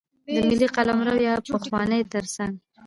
د ملي قلمرو بیا خپلونې ترڅنګ.